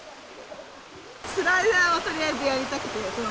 スライダーをとりあえずやりたくて。